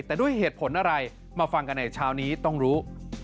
แต่ด้วยเหตุผลอะไรมาฟังกันในเช้านี้ต้องรู้